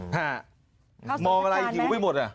ค่ะเออเออเอาเอาเอา